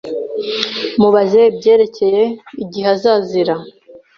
Mubaze ibyerekeye igihe azazira.